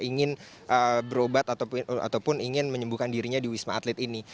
ingin berobat ataupun ingin menyembuhkan dirinya di wisma atlet ini